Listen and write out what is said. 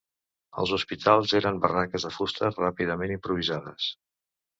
Els hospitals eren barraques de fusta ràpidament improvisades